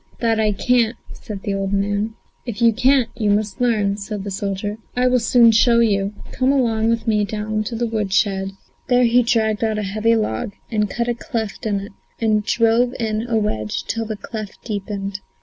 "That I can't," said the old man. "If you can't, you must learn," said the soldier. "I will soon show you. Come along with me down to the wood shed." There he dragged out a heavy log and cut a cleft in it, and drove in a wedge till the cleft deepened.